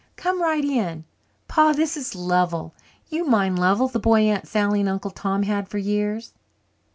Come right in. Pa, this is Lovell you mind Lovell, the boy Aunt Sally and Uncle Tom had for years?"